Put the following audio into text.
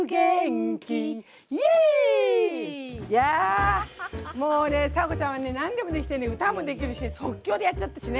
いやもうね佐和子ちゃんはね何でもできてね歌もできるし即興でやっちゃったしね。